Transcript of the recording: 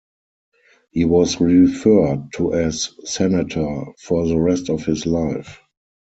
He was referred to as "Senator" for the rest of his life.